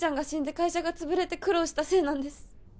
会社がつぶれて苦労したせいなんです